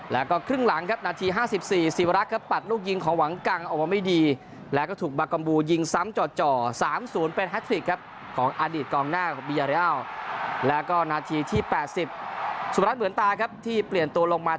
แล้วก็ครึ่งหลังครับนัดที่ห้าสิบสี่ซีวรักษ์เขาก็ปาดลูกยิงของหวังกัง